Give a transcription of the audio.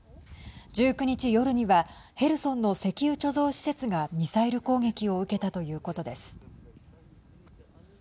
１９日夜にはヘルソンの石油貯蔵施設がミサイル攻撃を受けたということです。